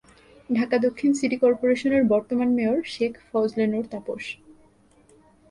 ঢাকা দক্ষিণ সিটি কর্পোরেশনের বর্তমান মেয়র শেখ ফজলে নূর তাপস।